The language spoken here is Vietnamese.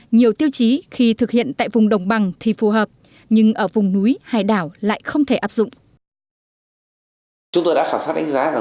nhiều tiêu chí khi thực hiện tại vùng đồng bằng thì phù hợp nhưng ở vùng núi hay đảo lại không thể áp dụng